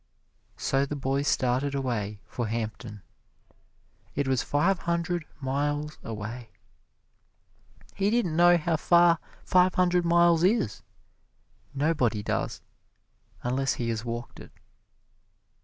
So the boy started away for Hampton. It was five hundred miles away. He didn't know how far five hundred miles is nobody does unless he has walked it.